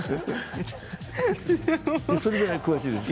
それぐらい詳しいですよ。